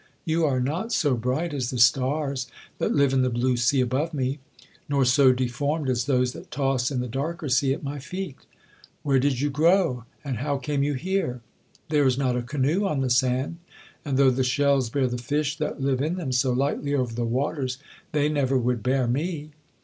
—you are not so bright as the stars that live in the blue sea above me, nor so deformed as those that toss in the darker sea at my feet. Where did you grow, and how came you here?—there is not a canoe on the sand; and though the shells bear the fish that live in them so lightly over the waters, they never would bear me.